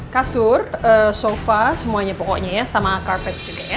kasur sofa semuanya pokoknya sama carpet